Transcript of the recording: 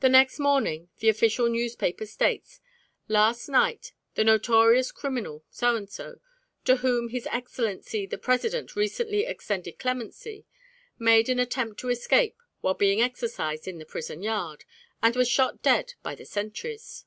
The next morning the official newspaper states, "Last night the notorious criminal So and So, to whom His Excellency the President recently extended clemency, made an attempt to escape while being exercised in the prison yard, and was shot dead by the sentries."